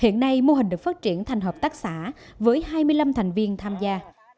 hiện nay mô hình được phát triển thành hợp tác xã với hai mươi năm thành viên tham gia